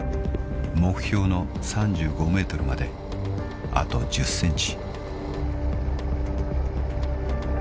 ［目標の３５ｍまであと１０ｃｍ］